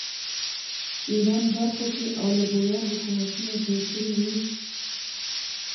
ایران برخو کې آل بویه حکومتونه جوړ کړي وو